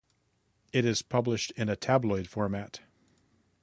It is published in a tabloid format.